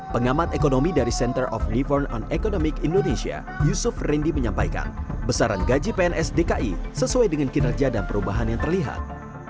pengamat ekonomi dari center of never on economic indonesia yusuf rendy menyampaikan besaran gaji pns dki sesuai dengan kinerja dan perubahan yang terlihat